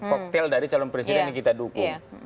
koktel dari calon presiden yang kita dukung